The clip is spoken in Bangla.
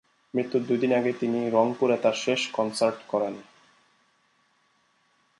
মৃত্যুর দুইদিন আগে তিনি রংপুরে তার শেষ কনসার্ট করেন।